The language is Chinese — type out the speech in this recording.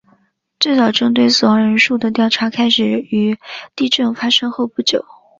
最早针对死亡人数的调查开始于地震发生后不久。